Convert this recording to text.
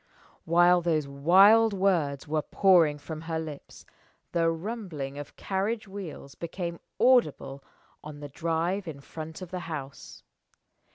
While those wild words were pouring from her lips, the rumbling of carriage wheels became audible on the drive in front of the house.